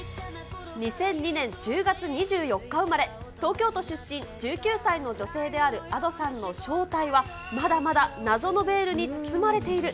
２００２年１０月２４日生まれ、東京都出身、１９歳の女性であるＡｄｏさんの正体はまだまだ謎のベールに包まれている。